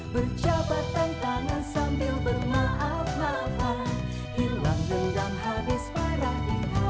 berjabat tangan sambil bermaaf maafan hilang dendam habis marah di hari lebaran